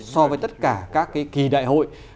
so với tất cả các cái kỳ đại hội